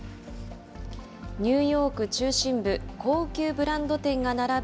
ニューヨーク中心部、高級ブランド店が並ぶ